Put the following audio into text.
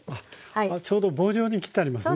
あっちょうど棒状に切ってありますね。